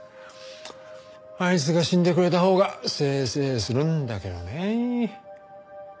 あいつが死んでくれたほうがせいせいするんだけどね。